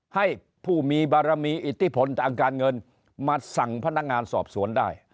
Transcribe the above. ให้ผู้มีบารมีอิทธิพลทางการเงินมาสั่งพนักงานสอบสวนได้